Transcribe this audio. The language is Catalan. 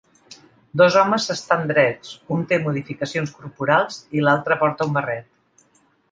Dos homes s'estan drets, un té modificacions corporals i l'altre porta un barret.